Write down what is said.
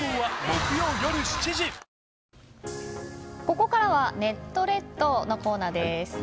ここからはネット列島のコーナーです。